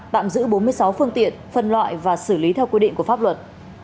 tạm giữ bốn mươi sáu phương tiện phân loại và xử lý theo quy định của pháp luật